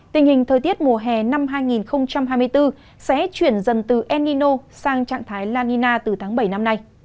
tình hình thời tiết mùa hè năm hai nghìn hai mươi bốn sẽ chuyển dần từ enino sang trạng thái la nina từ tháng bảy năm nay